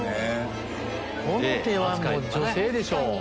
この手は女性でしょ。